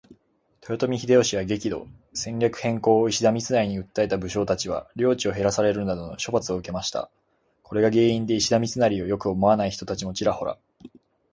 豊臣秀吉は激怒。戦略変更を石田三成に訴えた武将達は領地を減らされるなどの処罰を受けました。これが原因で石田三成を良く思わない人たちもちらほら。